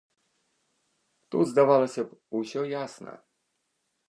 Тут, здавалася б, усё ясна.